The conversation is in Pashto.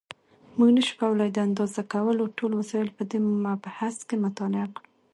مونږ نشو کولای د اندازه کولو ټول وسایل په دې مبحث کې مطالعه کړو.